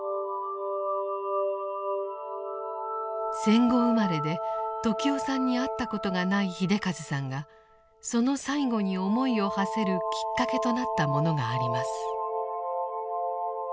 戦後生まれで時雄さんに会ったことがない秀和さんがその最期に思いをはせるきっかけとなったものがあります。